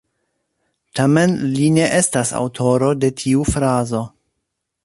Tamen li ne estas aŭtoro de tiu frazo.